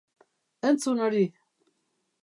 Entzun hori!